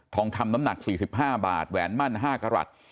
องคำน้ำหนัก๔๕บาทแหวนมั่น๕กรัฐ